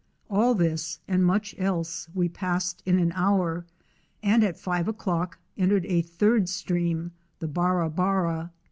All this and much else we passed in an hour, and at five 'o'clock entered a third stream — the Barrabarra.